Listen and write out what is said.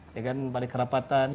ya kan balai kerapatan